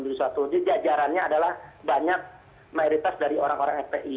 jadi jajarannya adalah banyak mayoritas dari orang orang fpi